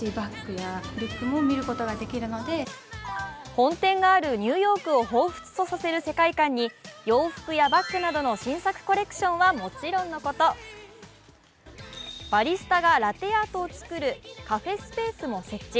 本店があるニューヨークをほうふつとさせる世界観に洋服やバッグなどの新作コレクションはもちろんのこと、バリスタがラテアートを作るカフェスペースも設置。